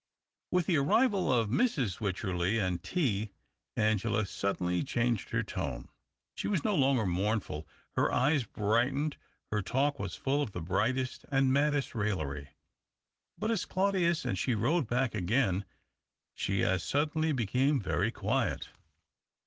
With the arrival of Mrs. Wycherley and tea, Angela suddenly changed her tone. She was no longer mournful ; her eyes brightened, her talk was full of the brightest and maddest raillery. But as Claudius and she rode back again together, she as suddenly became very quiet.